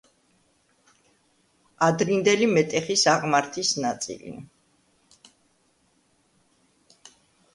ადრინდელი მეტეხის აღმართის ნაწილი.